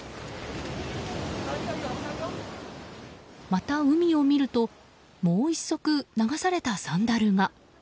また海を見るともう１足、流されたサンダルが。